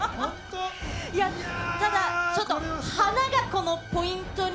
いや、ただ、ちょっと花がポイントに。